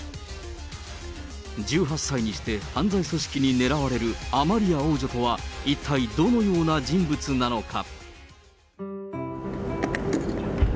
１８歳にして犯罪組織に狙われるアマリア王女とは、一体どのような人物なのか。